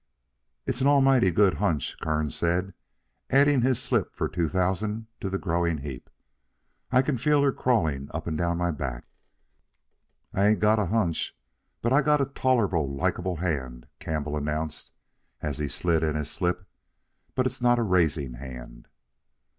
"It's an almighty good hunch," Kearns said, adding his slip for two thousand to the growing heap. "I can feel her crawlin' up and down my back." "I ain't got a hunch, but I got a tolerable likeable hand," Campbell announced, as he slid in his slip; "but it's not a raising hand."